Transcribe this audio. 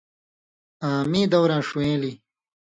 آں مِیں دوراں ݜُون٘یلیۡ